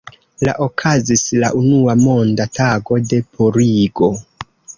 La okazis la unua Monda Tago de Purigo.